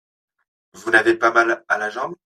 Vous n’avez pas mal à la jambe.